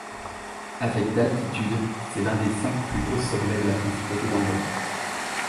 Avec d'altitude, c'est l'un des cinq plus hauts sommets de la principauté d'Andorre.